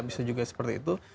bisa juga seperti itu